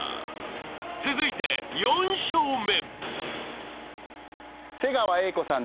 ［続いて４笑目］